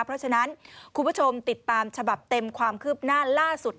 เพราะฉะนั้นคุณผู้ชมติดตามฉบับเต็มความคืบหน้าล่าสุด